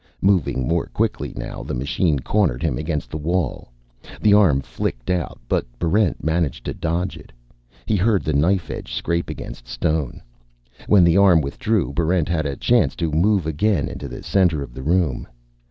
Moving more quickly now, the machine cornered him against the wall. The arm flickered out, but Barrent managed to dodge it. He heard the knife edge scrape against stone. When the arm withdrew, Barrent had a chance to move again into the center of the room.